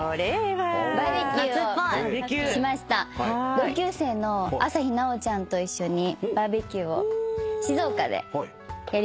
同級生の朝日奈央ちゃんと一緒にバーベキューを静岡でやりました。